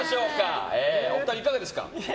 お二人いかがでしたか？